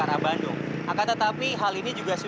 lalu di perlintasan kereta api di kedungora